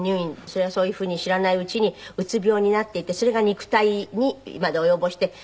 それはそういう風に知らないうちにうつ病になっていてそれが肉体にまで及ぼして。